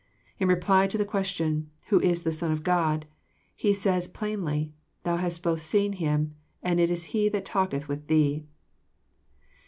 In reply to the question, '^ Who is the Son of God ?'* He says plainly, " Thou hast both seen Him, and it is He that talketh with thee."